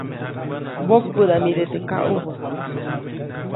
Mbokpäʼdamide teʼ kaʼubä.